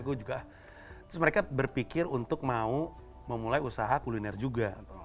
gue juga terus mereka berpikir untuk mau memulai usaha kuliner juga